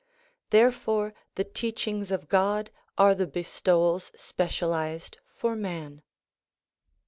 Therefore the teach ings of God are the bestowals specialized for man.